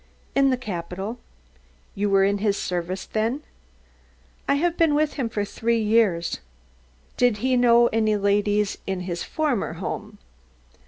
"In the capital." "You were in his service then?" "I have been with him for three years." "Did he know any ladies in his former home?"